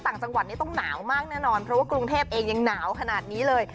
ต่างจังหวัดนี้ต้องหนาวมากแน่นอนเพราะว่ากรุงเทพเองยังหนาวขนาดนี้เลย